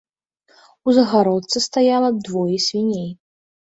У загародцы стаяла двое свіней.